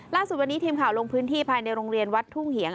ล่าสุดวันนี้ทีมข่าวลงพื้นที่ภายในโรงเรียนวัดทุ่งเหียง